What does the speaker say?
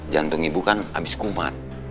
jantung ibu kan abis kumat